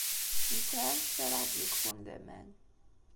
Nesɛa anect ara aɣ-d-yekfun d aman.